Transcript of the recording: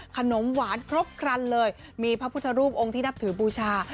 ขนมหวานครบครันเลยมีพระพุทธรูปองค์ที่นับถือบูชา